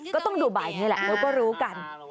ก็ต้องดูบ่ายนี้แหละแล้วก็รู้กัน